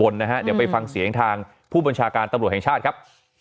เดี๋ยวไปฟังเสียงทางผู้บัญชาการตำรวจแห่งชาติครับ